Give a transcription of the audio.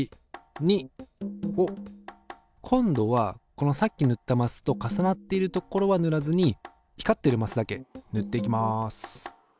２を今度はこのさっき塗ったマスと重なっているところは塗らずに光っているマスだけ塗っていきます。